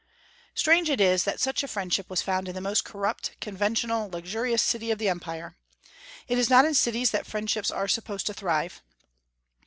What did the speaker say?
Strange it is that such a friendship was found in the most corrupt, conventional, luxurious city of the empire. It is not in cities that friendships are supposed to thrive.